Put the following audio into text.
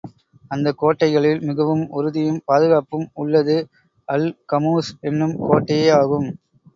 அந்தக் கோட்டைகளில் மிகவும் உறுதியும், பாதுகாப்பும் உள்ளது அல் கமூஸ் என்னும் கோட்டையே ஆகும்.